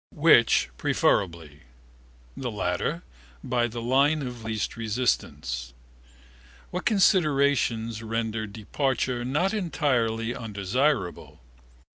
Which preferably? The latter, by the line of least resistance. What considerations rendered departure not entirely undesirable?